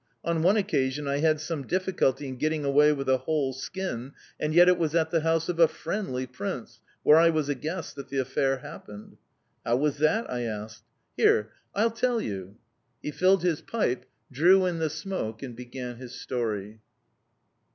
On one occasion I had some difficulty in getting away with a whole skin, and yet it was at the house of a 'friendly' prince, where I was a guest, that the affair happened." "How was that?" I asked. "Here, I'll tell you."... He filled his pipe, drew in the smoke, and began his story.